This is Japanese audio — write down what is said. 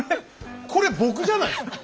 これ僕じゃないですか？